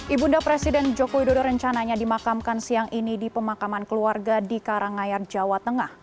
ibunda presiden joko widodo rencananya dimakamkan siang ini di pemakaman keluarga di karangayar jawa tengah